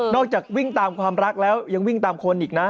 จากวิ่งตามความรักแล้วยังวิ่งตามคนอีกนะ